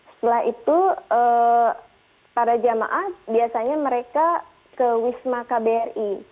setelah itu para jamaah biasanya mereka ke wisma kbri